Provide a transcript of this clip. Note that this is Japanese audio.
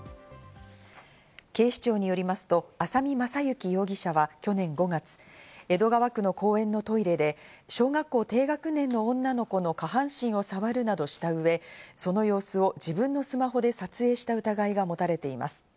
警視庁によりますと浅見雅之容疑者は去年５月、江戸川区の公園のトイレで小学校低学年の女の子の下半身をさわるなどしたうえ、その様子を自分のスマホで撮影した疑いが持たれています。